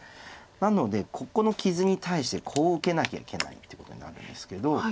なのでここの傷に対してこう受けなきゃいけないっていうことになるんですけど。